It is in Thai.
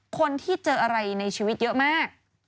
คนที่เจออะไรในชีวิตเยอะมาก